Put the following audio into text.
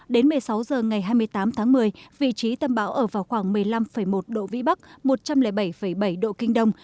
đến một mươi sáu h ngày hai mươi tám tháng một mươi vị trí tâm bão ở vào khoảng một mươi năm một độ vĩ bắc một trăm linh bảy bảy độ kinh đông